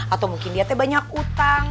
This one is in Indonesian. atau mungkin dietnya banyak utang